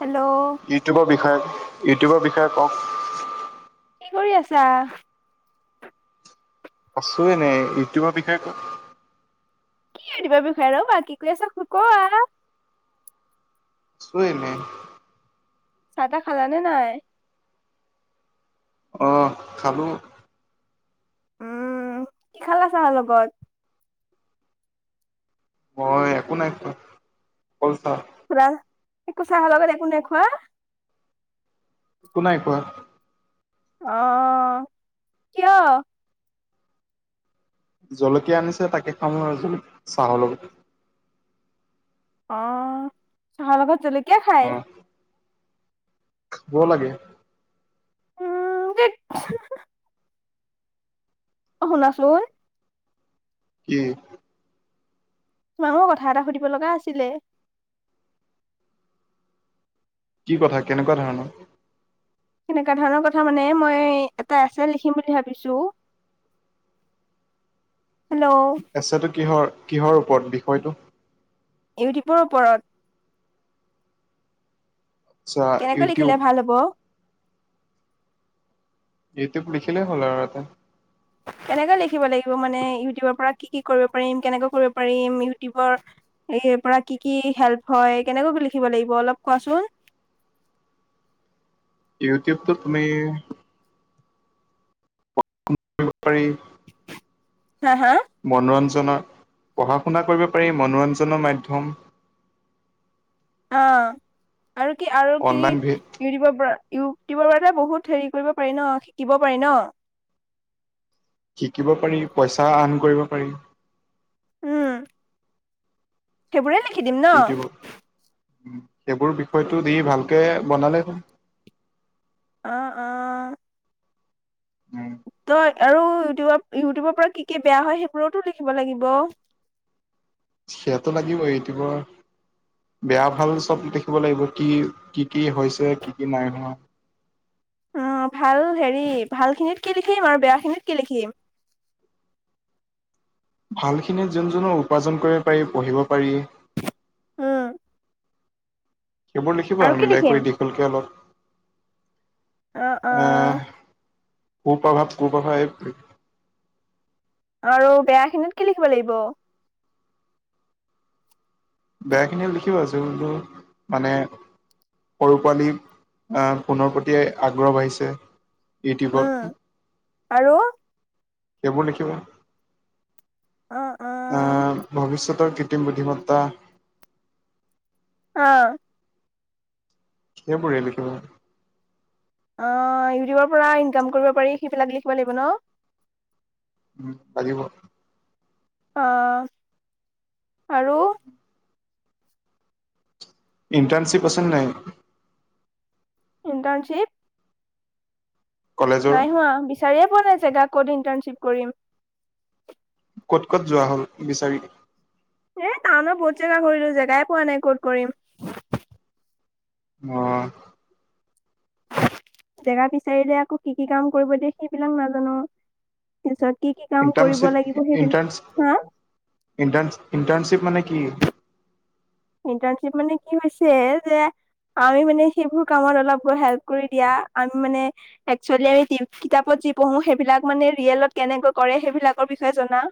Hello. ইউটিউবৰ বিষয়ে, ইউটিউবৰ বিষয়ে কওক? কি কৰি আছা? আছো এনে, ইউটিউবৰ বিষয়ে ক কি ইউটিউবৰ বিষয়ে আৰু বাকী কি কৰি আছা কৱা? আছো এনেই। চাহ তাহ খালানে নাই? অহ খালো। উম কি খালা চাহ লগত? মই একো নাই খোৱা, অকল চাহ। খোলা একো চাহ লগত একো নাই খোৱা! একো নাই খোৱা। অ কিয়? জলকীয়া আনিছে তাকে খাম আৰু জল চাহৰ লগত। অঁ চাহাৰ লগত জলক অঁ। ব লাগে। উম ধেত! অ শুনাচোন। কি? তোমাক মোৰ কথা এটা সুধিব লগা আছিলে। কি কথা কেনেকুৱা ধৰণৰ? কেনেকুৱা ধৰণৰ কথা মানে মই এটা এছে লিখিম বুলি ভাবিছো। হেল্ল। এছেটো কিহৰ কিহৰ ওপৰত বিষয়টো? ইউটিউবৰ ওপৰত। আচ্ছা কেনেকে ইউটিউব লিখিলে ভাল হব? ইউটিউব লিখিলেই হ'ল আৰু এটা। কেনেকৈ লিখিব লাগিব মানে ইউটিউবৰ পৰা কি কি কৰিব পাৰিম, কেনেকৈ কৰিব পাৰিম ইউটিউবৰ এইয়াৰ পৰা কি কি হেল্প হয়, কেনেকৈ কি লিখিব লাগিব অলপ কোৱাচোন। ইউটিউবটো তুমি [unintelligible] পাৰি হা? হা? মনোৰঞ্জনৰ পঢ়া শুনা কৰিব পাৰি মনোৰঞ্জনৰ মাধ্যম। অ' আৰু কি, আৰু কি অনলাইন ভি ইউটিউবৰ পৰা, ইউটিউবৰ পৰা বহুত কৰিব পাৰি ন শিকিব পাৰি। শিকিব পাৰি পইচা আৰ্ন কৰিব পাৰি। উম, সেইবোৰে লিখি দিম ন। উম, সেইবোৰ বিষয়টো দি ভালকে বনালে হ'ল। অ'অ' উম, তই আৰু ইউটিউবৰ, ইউটিউবৰ পৰা কি, কি বেয়া হয় সেইবোৰতো লিখিব লাগিব। সোতটো লাগিবই ইউটিউবৰ বেয়া ভাল চব দেখিব লাগিব কি, কি, কি হৈছে কি, কি নাই হোৱা। অ' ভাল হেৰি ভাল খিনিত কি লিখিম আৰু বেয়া খিনিত কি লিখিম। ভাল খিনি যোন জো উপাৰ্জন কৰিব পাৰি পঢ়িব পাৰি। উম, সেইবোৰ লিখিব আৰু কি মিলাই লিখিম কৰি দীঘল কৰে অলপ অ অ আহ কু প্ৰভাৱ, কু প্ৰভাৱ এই আৰু বেয়া খিনিত কি লিখিব লাগিব? বেয়া খিনি লিখি আছো জোনটো মানে সৰু পোৱালী ফোনৰ প্ৰতিয়ে আগ্ৰহ বাঢ়িছে উম ইউটিউবত। আৰু এইবোৰ লেখিব। অ'অ' অ' ভৱিষ্যতৰ কৃত্ৰিম বুদ্ধিমত্তা। অ', সেইবোৰেই লিখিব। অ' ইউটিউবৰ পৰা ইনকাম কৰিব পাৰি সেইবিলাক লিখিব লাগিব ন? উম, লাগিব। অহ' আৰু। ইণ্টাৰনশিপ আছেনে নাই? ইণ্টাৰণশিপ কলেজৰ নাই হোৱা বিচাৰিয়ে পোৱা নাই জেগা ক'ত ইণ্টাৰ্ণশ্বিপ কৰিম। ক'ত, ক'ত যোৱা হ'ল বিচাৰি? এ টাউনত বহুত জেগা কৰিলো জেগাই পোৱা নাই ক'ত কৰিম। অ', জেগা বিচাৰিলে আকৌ কি, কি কাম কৰিব দিয়ে সেইবিলাক নাজানো। তাৰিছত কি, কি কাম কৰিব ইণ্টাৰ্ণশ্বিপ লাগিব সেইবিলাক ইণ্টাৰ্ণ হা? ইণ্টাৰ্ণ ইণ্টাৰ্ণশ্বিপ মানে কি? ইণ্টাৰ্ণশ্বিপ মানে কি হৈছে যে আমি মানে সেইবোৰ কামত অলপ ব হেল্প কৰি দিয়া আমি মানে একুৱেল আমি কিতাপত যি পঢ়ো সেইবিলাক মানে ৰিয়েলত কেনেকৈ কৰে সেইবিলাকৰ বিষয়ে জনা।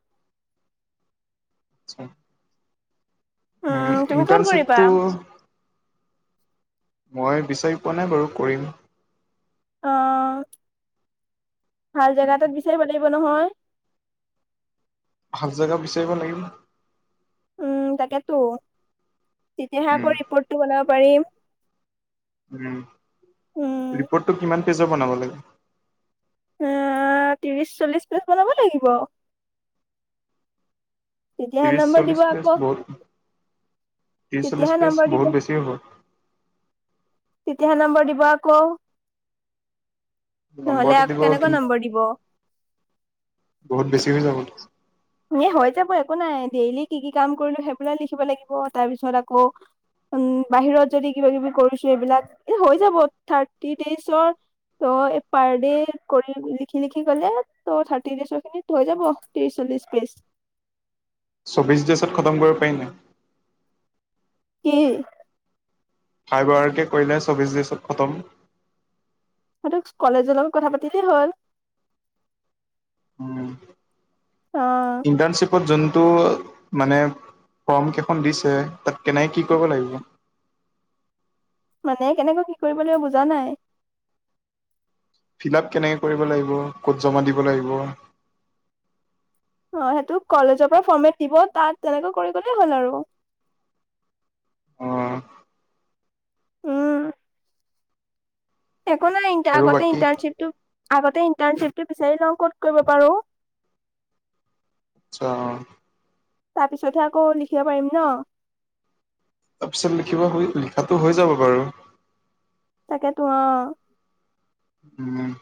উম, তুমি ক'ত কৰিবা ইণ্টাৰনশিপটো মই বিচাৰি পোৱা নাই বাৰু কৰিম। অ' ভাল জেগা এটাত বিচাৰিব লাগিব নহয়? ভাল জেগা বিচাৰিব লাগিব। উম তাকেতো তেতিয়াহে উম, আকৌ ৰিপৰ্টটো বনাব পাৰিম উম উম ৰিপৰ্টটো কিমান পেজৰ বনাব লাগিব এ ত্ৰিশ চল্লিশ পেজ বনাব লাগিব তেতিয়াহে ত্ৰিশ নম্বৰ দিব চল্লিশ পেজ আকৌ বহুত তেতিয়াহে নম্বৰ দিব কি হ'ব তেতিয়াহে নাম্বৰ দিব আকৌ নহ'লে নম্বৰটো আকৌ দিব কেনেকুৱা নম্বৰ দিব কিন্তু বহুত বেছি হৈ যাব এ হৈ যাব একো নাই ডেইলি কি কি কাম কৰিলো সেইবোলাই লিখিব লাগিব তাৰ পিছত আকৌ উম বাহিৰত যদি কিবা কিবি কৰিছো এইবিলাক এ হৈ যাব থাৰ্টি ডেজৰ ত' এই পাৰ ডে কৰি লিখি লিখি গ'লে ত' থাৰ্টি ডেজৰ খিনিত হৈ যাব ত্ৰিশ চল্লিশ পেইজ চৌবিশ ডেইছত খতম কৰিব পাৰি নাই কি হাই বাৰকে কৰিলে চৌবিছ ডিছত খতম সেইটো কলেজৰ লগত কথা পাতিলে হ'ল উম অ ইণ্টাৰ্ণশ্বিপত যোনটো মানে ফৰ্মকেইখন দিছে তাত কেনে কি কৰিব লাগিব। মানে কেনেকৈ কি কৰিব লাগিব বুজা নাই ফিলাপ কেনেকৈ কৰিব লাগিব ক'ত জমা দিব লাগিব অ সেইটো কলেজৰ পৰা ফৰ্মেট দিব তাত তেনেকৈ কৰি গলেই হ'ল আৰু অ উম একো নাই ই আৰু আগতে বাকী ইণ্টাৰ্ণশ্বিপটো আগতে ইণ্টাৰ্ণশ্বিপ টো বিচাৰি লওঁ ক'ত কৰিব পাৰো আচ্ছা তাৰ পিছতহে আকৌ লিখিব পাৰিম ন তাৰ পিছত লিখিব হৈ লিখাতো হৈ যাব বাৰু তাকেতো অ উম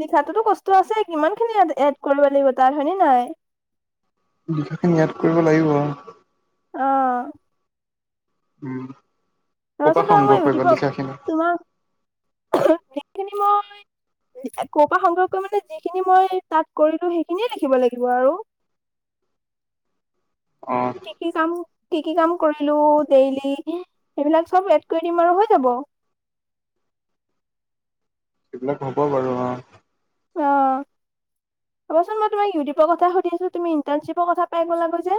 লিখাতোতো কষ্ট আছে কিমান খিনি এড কৰিব লাগিব তাৰ হয় নে নাই লিখাখিনি ইয়াত কৰিব লাগিব আৰু অ উম ক'ৰ পৰা ৰবাচোন ৰ সংগ্ৰহ মই কৰিবা সুধপক লিখাখিনি তোমাৰ খিনি মই ক'ৰ পৰা সংগ্ৰহ কৰিম মানে যিখিনি মই তাত কৰিলো সেইখিনিয়ে লিখিব লাগিব আৰু অ কি কি কাম কি কি কাম কৰিলো ডেইলি সেইবিলাক চব এড কৰি দিম আৰু হৈ যাব সেইবিলাক হ'ব বাৰু অ [inaudible] ৰবাচোন মই তোমাক ইউটিউব কথা সুধিছোঁ তুমি ইণ্টেণশ্বিপৰ কথা পাই গ'লা গৈ যে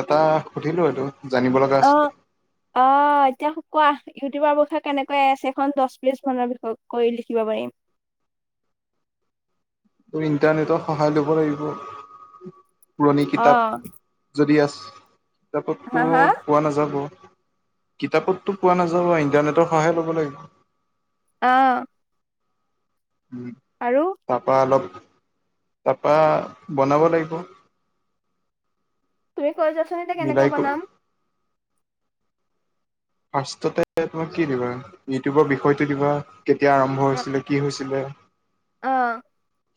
এটাক সুধিলো এইটো জানিব লগা অ আছিলে। অ' এতিয়া শুকোৱা। ইউটিউবৰ বিষয়ে কেনেকৈ এছ খন দহ পেইজ মানৰ বিষয়ে কৰি লিখিব পাৰিম। তুমি ইণ্টাৰনেটৰ সহায় ল'ব লাগিব, পুৰণি অ কিতাপ। যদি আছ, হা কিতাপতো হা? পোৱা নাযাব। কিতাপত টো পোৱা নাযাব। ইণ্টাৰনেটত সহায় ল'ব লাগিব। অঁ। উম। আৰু? তাৰপাৰ অলপ তাৰপা বনাব লাগিব। তুমি কৈ যোৱা চোন এতিয়া মিলাই কেনেকুৱা কৰি বনাম? ফাৰ্ষ্টতে তুমি কি দিবা, ইউটিউবৰ বিষয়টো দিবা। কেতিয়া আৰম্ভ হৈছিলে কি হৈছিলে অ',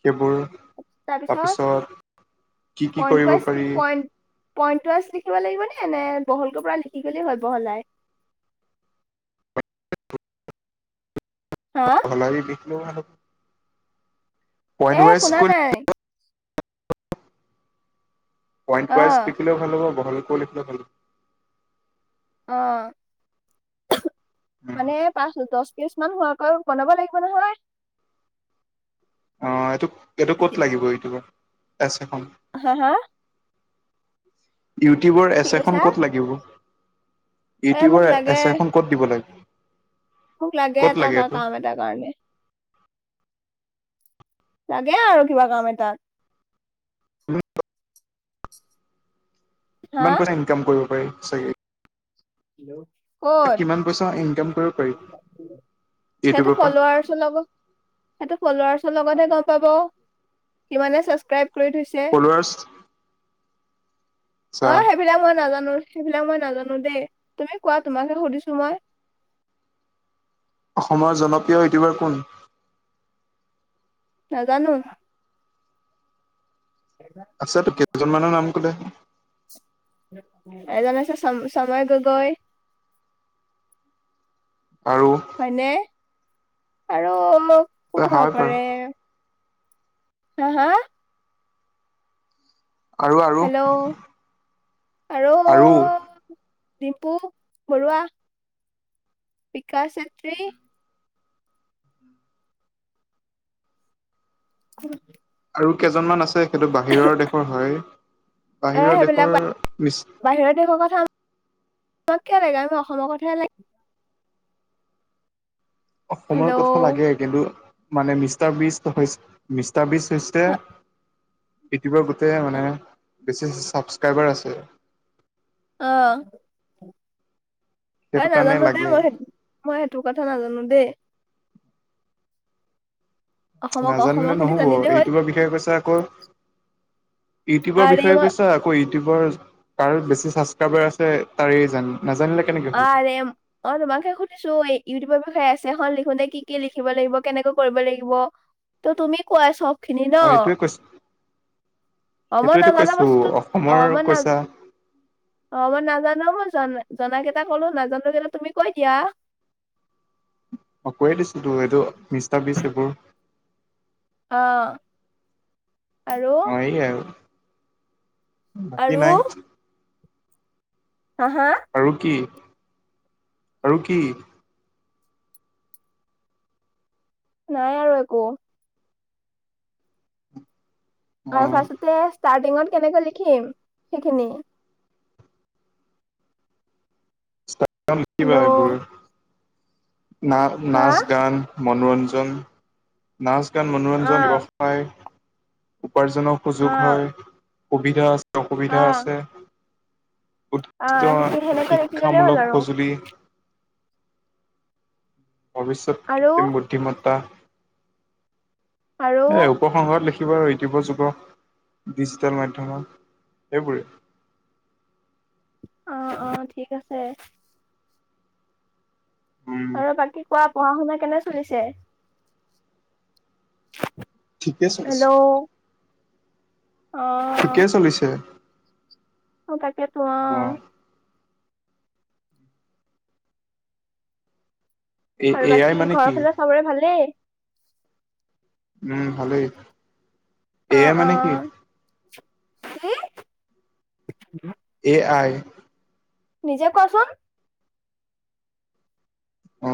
সেইবোৰ তাৰপিছত কি কি পইণ্ট কৰিব ৱাইজ পাৰি। পইণ্ট পইণ্ট ৱাইজ লিখিব লাগিব নে, নে বহলকৈ পোৰা লিখি গ'লে হ'ল বহলাই? হা? বহলাই নিলিখিলেও হ'ব। পইণ্ট এ ৱাইজ শুনা কৈ নাই। পইণ্ট ৱাইজ অ', লিখিলেও ভাল হ'ব, বহলকৈ লিখিলেও ভাল হ'ব। অঁ। ইচমান হোৱাকৈ বনাব লাগিব নহয়। অঁ' এইটো এইটো ক'ত লাগিব ইউটিউবৰ এছে খন? হা? হা? ইউটিউবৰ কি এছে কৈছা? খন ক'ত লাগিব? এ মোক ইউটিউবৰ লাগে এছে খন ক'ত দিব লাগে? মোক লাগে ক'ত এটা এইটো কাম এটাৰ কাৰণে। লাগে আৰু কিবা কাম এটাত। হা? কিমান পইচা ইনকাম কৰিব পাৰি চাগে? ক'ত? কিমান পইচা ইনকাম কৰিব পাৰি সেইটো ইউটিউবৰ পৰা ফল্লোৱাৰ্ছ লগত সেইটো ফল্লোৱাৰ্ছ লগতে গ'ম পাব, কিমানে চাবচকাইব কৰি থৈছ ফল্লোৱাৰ্ছ অঁ সেইবিলাক মই নাজানোঁ, সেইবিলাক মই নাজানোঁ দেই, তুমি কোৱা তোমাকহে সুধিছোঁ মই। অসমৰ জনপ্ৰিয় ইউটিউবাৰ কোন? নেজানোঁ। আছে তোৰ কেইজন মানৰ নাম কৈদে। এজন আছে চ চময় গগৈ আৰু? হয়নে? আৰু কোন হয় হ'ব বাৰু পাৰে? হা? হা? আৰু আৰু হেল্ল' আৰু ডিম্পু বৰুৱা, বিকাশ চেত্ৰী [unintelligible] আৰু কেইজনমান আছে, সেইটো বাহিৰৰ দেশৰ হয়, এ বাহিৰৰ সেইবিলাক দেশৰ মিছ বাহিৰৰ দেশৰ কথা আমাক কিয় লাগে, আমক অসমৰ কথাহে লাগে। হেল্ল' অসমৰ অ কথা লাগে কিন্তু মানে মিষ্টাবিষ্ট হৈছ মিষ্টাবিষ্ট হৈছে ইউটিউবৰ গোটেই মানে বেছি ছাবস্ক্ৰাইবাৰ আছে। অঁ। এ, সেইটো কাৰণে নাজানো দেই লাগে মই! মই সেইটো কথা নাজানো দেই! অসমক নাজানিলে অসমৰ খিনি নহ'ব, জানিলে হ'ল ইউটিউবৰ বিষয়ে কৈছা আকৌ! ইউটিউবৰ আৰে বিষয়ে মই কৈছা আকৌ ইউটিউবৰ কাৰ বেছি ছাবস্ক্ৰাইবাৰ আছে তাৰে জান নাজানিলে কেনেকে হ'ল আৰে মই তোমাক হে সুধিছো, এই ইউটিউবৰ বিষয়ে এছেখন লিখোতে কি কি লিখিব লাগিব? কেনেকৈ কৰিব লাগিব? ত, তুমি কোৱাই চব খিনি ন অ এইটোৱে কৈছ, অ মই সেইটোৱেটো নাজানা কৈছো বস্তুটো অ অসমৰ মই না কৈছা? অ মই নাজানো মই জনা জনাকেইটা ক'লো নাজানো কেইটা তুমি কৈ দিয়া। অ কৈয়ে দিছো তো এইটো মিষ্টা বিজ এইবোৰ অ, আৰু? সেয়া আৰু আৰু বাকী নাই। হা! হা! আৰু কি? আৰু কি? নাই আৰু একো। অ আৰু ফাৰ্ষ্টতে ষ্টাৰ্টিঙত কেনেকৈ লিখিম সেইখিনি? [unintelligible] লিখিবা হেল্ল' সেইবোৰ। না হা নাচ-গান মনোৰঞ্জন, নাচ-গান অ মনোৰঞ্জন দিৱস। হয় উপাৰ্জনৰ অ সুযোগ হয়, সুবিধা আছ অ অসুবিধা আছে, অ উদিৃষ্ট সেই- সেনেকৈ লিখি গ'লেই হ'ল শিক্ষামূলক আৰু সঁজুলি ভৱিষ্যত আৰু কৃত্ৰিম বুদ্ধিমতা আৰু এ, উপসংহ লিখ খিবা ইউতিবৰ যুগ, ডিজিটেল মাধ্যমত, এইবোৰে। অ অ ঠিক আছে। উম আৰু বাকী কোৱা পঢ়া-শুনা কেনে চলিছে? ঠিকে চলিছে। হেল্ল' অ। ঠিকে চলিছে। অ তাকেতো অ। এ আৰু এ আই বাকী মানে ঘৰৰ কি ফালে চবৰে ভালেই? উম, ভালেই। এ অ, আই অ। মানে কি কি এ আই। নিজে কৰচোন? অ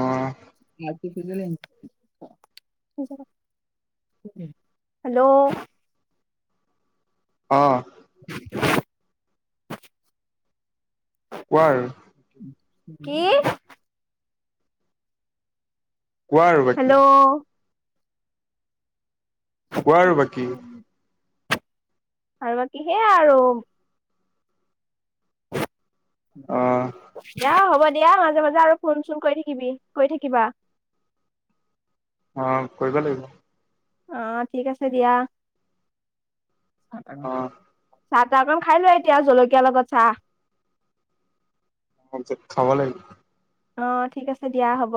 [unintelligible] হেল্ল'। অ। [inaudible] কোৱা আৰু? কি? কোৱা আৰু হেল্ল' বাকী? কোৱা আৰু বাকী? আৰু বাকী, সেইয়া আৰু। অ। দিয়া, হ'ব দিয়া, মাজে মাজে আৰু ফোন চোন কৰি থাকিবি, কৰি থাকিবা। অ, কৰিব লাগিব। অ, ঠিক আছে দিয়া। অ চাহ তাহ অকন খাই লোৱা এতিয়া, জলকীয়াৰ লগত চাহ। হ ঠিক খাব লাগিব। অ ঠিক আছে দিয়া, হ'ব।